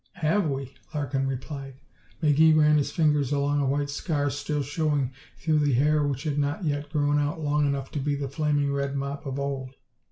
"Have we!" Larkin replied. McGee ran his fingers along a white scar still showing through the hair which had not yet grown out long enough to be the flaming red mop of old.